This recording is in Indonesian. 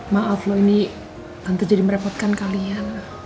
maaf loh ini tante jadi merepotkan kalian